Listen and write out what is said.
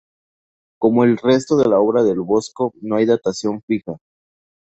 Como el resto de la obra del Bosco, no hay una datación fija.